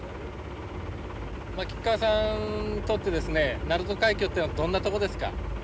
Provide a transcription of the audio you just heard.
菊川さんにとって鳴門海峡とはどんなとこですか？